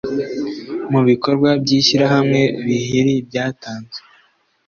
Mu bikorwa by ishyirahamwe bihri byatanzwe